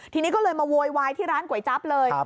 ทีนี้ก็เลยมาโวยวายที่ร้านก๋วยจั๊บเลย